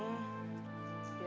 gimana kalau untuk sementara waktu ini